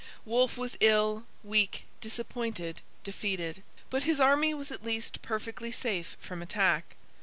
Wolfe was ill, weak, disappointed, defeated. But his army was at least perfectly safe from attack.